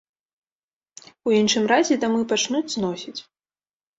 У іншым разе дамы пачнуць зносіць.